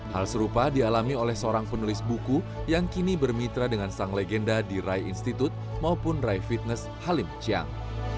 hal serupa dialami oleh seorang penulis buku yang kini bermitra dengan sang legenda di rai institut maupun rai fitness halim chiang